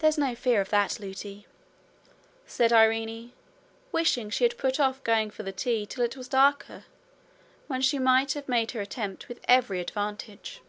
'There's no fear of that, Lootie,' said Irene, wishing she had put off going for the tea till it was darker, when she might have made her attempt with every advantage.